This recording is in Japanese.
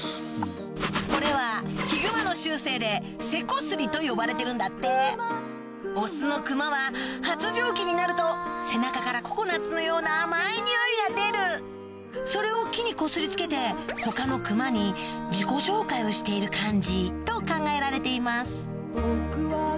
これはヒグマの習性でと呼ばれてるんだってオスのクマは発情期になると背中からココナツのような甘い匂いが出るそれを木にこすりつけて他のクマに自己紹介をしている感じと考えられています